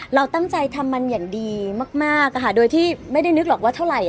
เราตั้งใจทำมันอย่างดีมากโดยที่ไม่ได้นึกหรอกว่าเท่าไห